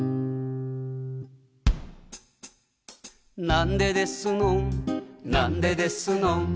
「なんでですのんなんでですのん」